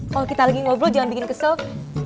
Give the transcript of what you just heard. kalau kita lagi ngobrol jangan bikin kesel